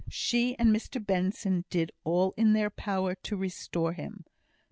She and Mr Benson did all in their power to restore him.